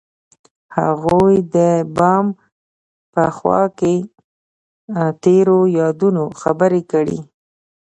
هغوی د بام په خوا کې تیرو یادونو خبرې کړې.